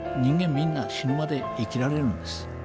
みんな死ぬまで生きられるんです。